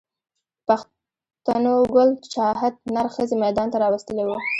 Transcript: پښتنو ګل چاهت نر ښځی ميدان ته را وستلی و